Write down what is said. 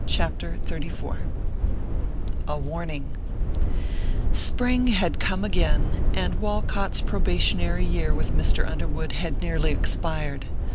Chapter XXXIV A WARNING Spring had come again and Walcott's probationary year with Mr. Underwood had nearly expired.